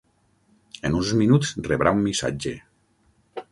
En uns minuts rebrà un missatge.